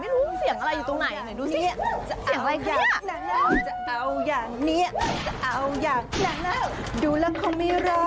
ไม่รู้เสียงอะไรอยู่ตรงไหนหน่อยดูสิเสียงอะไรครับ